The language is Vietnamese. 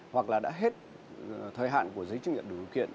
hoặc là đã hết thời hạn của giấy chứng nhận đủ điều kiện